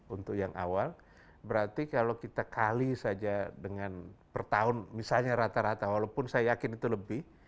untuk yang awal berarti kalau kita kali saja dengan per tahun misalnya rata rata walaupun saya yakin itu lebih